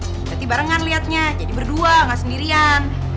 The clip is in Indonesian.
berarti barengan lihatnya jadi berdua gak sendirian